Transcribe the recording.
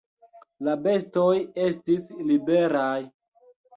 La bestoj estis liberaj.